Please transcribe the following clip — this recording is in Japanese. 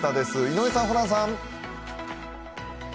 井上さん、ホランさん。